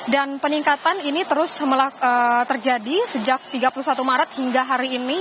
dan peningkatan ini terus terjadi sejak tiga puluh satu maret hingga hari ini